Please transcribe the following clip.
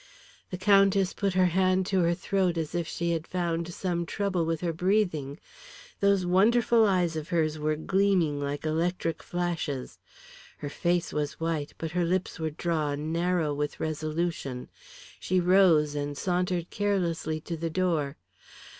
The Countess put her hand to her throat as if she had found some trouble with her breathing. Those wonderful eyes of hers were gleaming like electric flashes. Her face was white, but her lips were drawn narrow with resolution. She rose, and sauntered carelessly to the door.